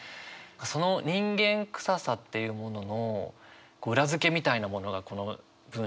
その人間臭さっていうものの裏付けみたいなものがこの文章から感じて。